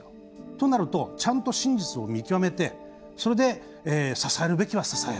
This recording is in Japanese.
となるとちゃんと真実を見極めてそれで支えるべきは支える。